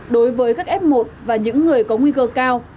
đối với các f một và những người có nguy cơ cao